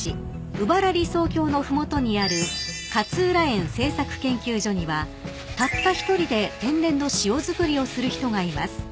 鵜原理想郷の麓にある勝浦塩製作研究所にはたった一人で天然の塩づくりをする人がいます］